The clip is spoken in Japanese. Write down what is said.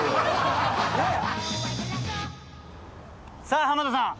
さあ浜田さん。